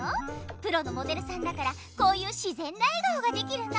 プロのモデルさんだからこういうしぜんな笑顔ができるの。